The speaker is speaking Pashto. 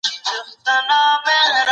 دا ټوکر تر هغه بل ډېر پیاوړی دی.